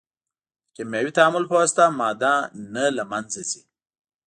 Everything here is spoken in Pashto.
د کیمیاوي تعامل په واسطه ماده نه له منځه ځي.